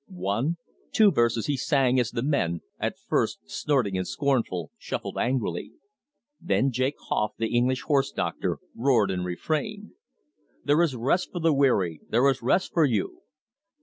One, two verses he sang as the men, at first snorting and scornful, shuffled angrily; then Jake Hough, the English horse doctor, roared in the refrain: "There is rest for the weary, There is rest for you!"